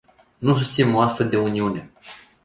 Nu susținem o astfel de uniune.